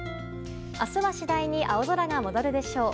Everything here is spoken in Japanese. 明日は次第に青空が戻るでしょう。